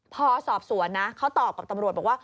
พอสอบสวนนะเขาตอบกับตำรวจบอกว่า